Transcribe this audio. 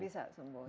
bisa sembuh ya